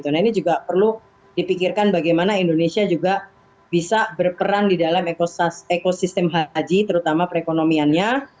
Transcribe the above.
nah ini juga perlu dipikirkan bagaimana indonesia juga bisa berperan di dalam ekosistem haji terutama perekonomiannya